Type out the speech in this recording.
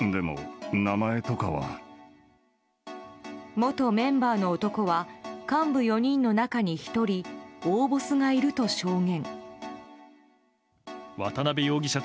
元メンバーの男は幹部４人の中に１人、大ボスがいると証言。